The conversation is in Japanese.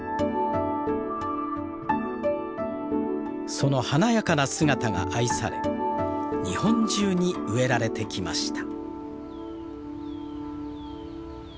その華やかな姿が愛され日本中に植えられてきました。